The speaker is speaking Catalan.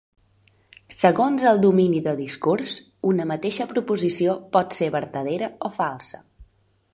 Segons el domini de discurs, una mateixa proposició pot ser vertadera o falsa.